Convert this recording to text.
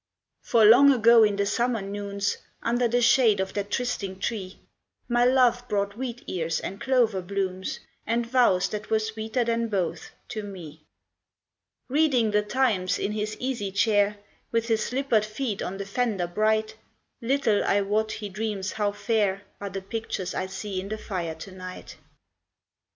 For long ago in the summer noons, Under the shade of that trysting tree, My love brought wheat ears and clover blooms, And vows that were sweeter than both, to me. Reading the "Times" in his easy chair, With his slippered feet on the fender bright, Little, I wot, he dreams how fair Are the pictures I see in the fire to night.